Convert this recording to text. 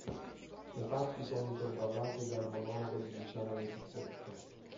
Le parti sono intervallate dal monologo di Luciana Littizzetto.